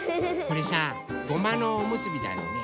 これさごまのおむすびだよね。